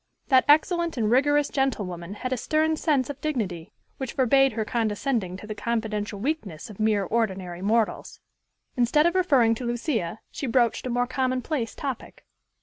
That excellent and rigorous gentlewoman had a stern sense of dignity, which forbade her condescending to the confidential weakness of mere ordinary mortals. Instead of referring to Lucia, she broached a more commonplace topic.